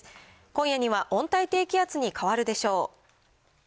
今夜には温帯低気圧に変わるでしょう。